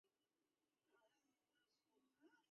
富后拉讷夫维勒人口变化图示